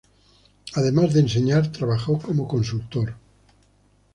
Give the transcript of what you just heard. Además de enseñar, trabajó como consultor.